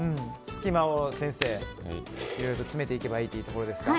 隙間をいろいろ詰めていけばいいということですか。